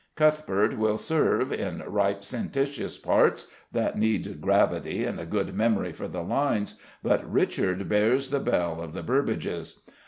Cuthbert will serve, in ripe sententious parts that need gravity and a good memory for the lines. But Richard bears the bell of the Burbages.